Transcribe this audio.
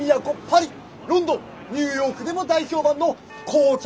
パリロンドンニューヨークでも大評判の紅茶豆腐！